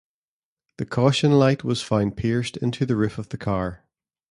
The caution light was found pierced into the roof of the car.